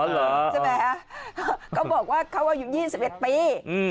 ใช่ไหมฮะก็บอกว่าเขาอายุยี่สิบเอ็ดปี